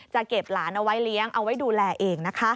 จะเก็บหลานเอาไว้เลี้ยงเอาไว้ดูแลเองนะคะ